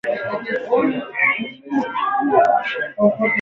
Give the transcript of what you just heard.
uambukizaji wa ugonjwa wa Mkojo Mwekundu kupitia kwa kupe wa samawati